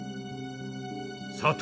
佐藤。